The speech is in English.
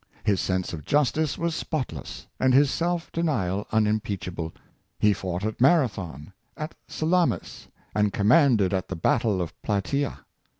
His sense of justice was spotless, and his self denial unimpeachable. He fought at Marathon, at Salamis, and commanded at the battle of Pla^ea.